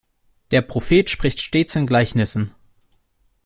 Der Prophet spricht stets in Gleichnissen.